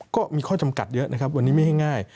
ก็มีข้อจำกัดเยอะนะครับวันนี้ไม่ง่าย